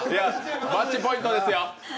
マッチポイントですよ。